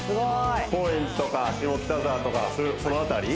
高円寺とか下北沢とかその辺り？